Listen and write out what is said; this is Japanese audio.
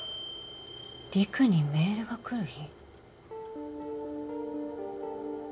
陸にメールが来る日？